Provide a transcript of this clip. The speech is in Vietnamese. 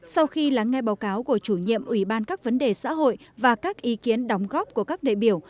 sau khi lắng nghe báo cáo của chủ nhiệm ủy ban các vấn đề xã hội và các ý kiến đóng góp của các đại biểu